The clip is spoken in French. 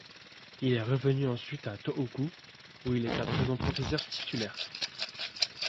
Il est revenu ensuite à Tōhoku où il est à présent professeur titulaire.